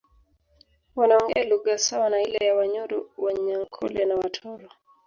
Wanaongea lugha sawa na ile ya Wanyoro Wanyankole na Watoro